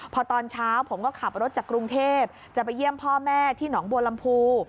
พอตอนเช้าผมก็ขับรถจากกรุงเทพจะไปเยี่ยมพ่อแม่ที่หนองบัวลำพู